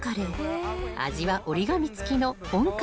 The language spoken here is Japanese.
［味は折り紙付きの本格派］